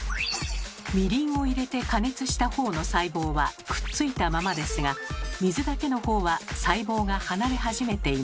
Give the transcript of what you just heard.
みりんを入れて加熱したほうの細胞はくっついたままですが水だけのほうは細胞が離れ始めています。